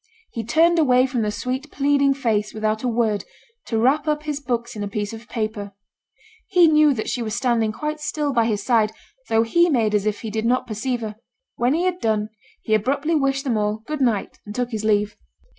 He turned away from the sweet, pleading face without a word, to wrap up his books in a piece of paper. He knew that she was standing quite still by his side, though he made as if he did not perceive her. When he had done he abruptly wished them all 'good night,' and took his leave.